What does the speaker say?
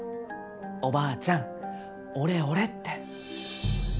「おばあちゃん俺俺」って。